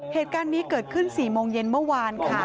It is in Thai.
เหตุการณ์นี้เกิดขึ้น๔โมงเย็นเมื่อวานค่ะ